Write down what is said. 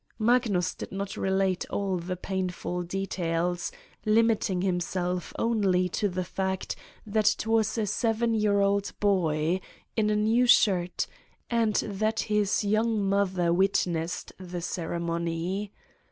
Magnus did not relate all the painful details, lim iting himself solely to the fact that it was a seven year old boy, in a new shirt, and that his young mother witnessed the ceremony.